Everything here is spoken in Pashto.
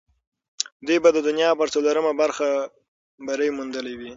دوی به د دنیا پر څلورمه برخه بری موندلی وي.